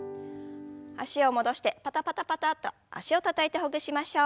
脚を戻してパタパタパタッと脚をたたいてほぐしましょう。